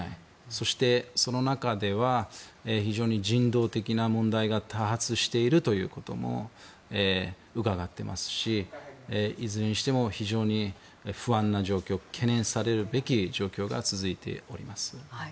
そして、その中では非常に人道的な問題が多発しているということも伺っていますしいずれにしても非常に不安な状況懸念されるべき状況が続いております。